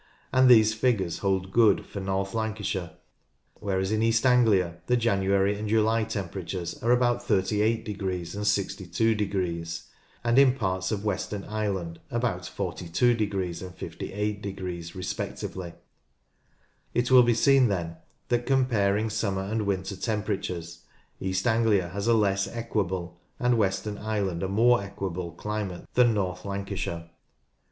and these figures hold good for North Lancashire, whereas in East Anglia the January and July temperatures are about 38 and 62 and in parts of western Ireland about 42 and 58 respectively. It will be seen then that, comparing summer and winter temperatures, East Anglia has a less equable, and western Ireland a more equable, climate than North Lancashire.